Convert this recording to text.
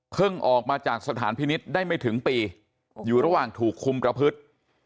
ออกมาจากสถานพินิษฐ์ได้ไม่ถึงปีอยู่ระหว่างถูกคุมประพฤติ